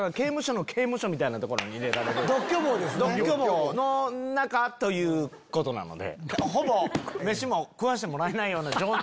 独居房の中ということなので。